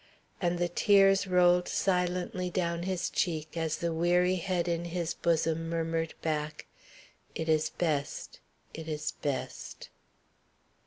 And the tears rolled silently down his cheek as the weary head in his bosom murmured back: "It is best. It is best."